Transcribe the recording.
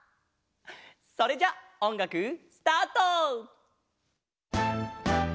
それじゃあおんがくスタート！